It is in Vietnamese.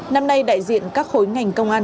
năm nay đại diện các khối ngành công an